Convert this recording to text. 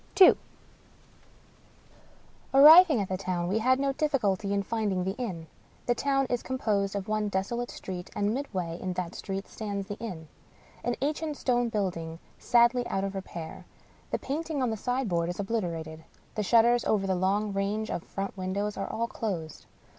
II Arriving at the town, we had no difficulty in finding the inn. The town is composed of one desolate street ; and midway in that street stands the inn — an ancient stone building sadly out of repair. The painting on the sign board is obliterated. The shutters over the long range of front windows are all closed.